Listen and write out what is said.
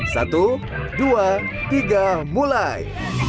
satu dua tiga mulai